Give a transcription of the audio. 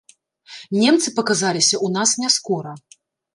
Немцы паказаліся ў нас няскора.